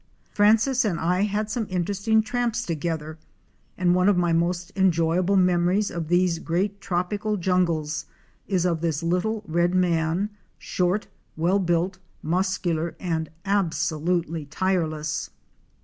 Francis and I had some interesting tramps together and one of my most enjoyable memories of these great tropical jungles is of this little red man, short, well built, muscular and absolutely tireless.